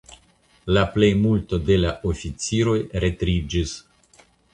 La plejmulto de la oficiroj retriĝis.